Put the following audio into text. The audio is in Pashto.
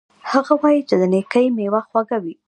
هغه وایي چې د نیکۍ میوه خوږه وي